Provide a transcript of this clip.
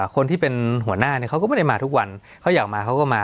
คนที่เป็นหัวหน้าเนี่ยเขาก็ไม่ได้มาทุกวันเขาอยากมาเขาก็มา